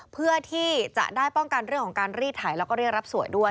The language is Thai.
เพื่อที่จะได้ป้องกันเรื่องของการรีดถ่ายแล้วก็เรียกรับสวยด้วย